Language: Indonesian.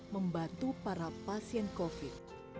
membantu para pasien covid